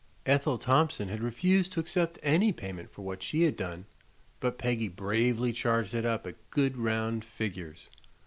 Ethel Thompson had refused to accept any payment for what she had done, but Peggy bravely charged it up at good round figures.